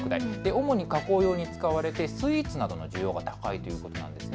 主に加工用に使われてスイーツなどの需要が高いということです。